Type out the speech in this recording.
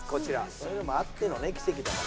そういうのもあってのね奇跡だから。